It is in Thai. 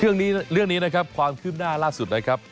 เรื่องนี้เรื่องนี้นะครับความคืบหน้าล่าสุดนะครับ